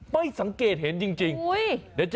ไม่เห็นเลย